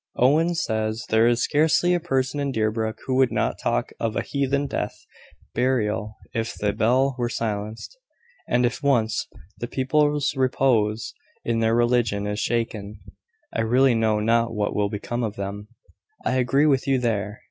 Owen says there is scarcely a person in Deerbrook who would not talk of a heathen death and burial if the bell were silenced; and, if once the people's repose in their religion is shaken, I really know not what will become of them." "I agree with you there.